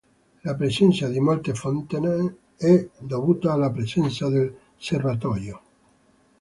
La presenza di molte fontane è dovuta alla presenza del serbatoio.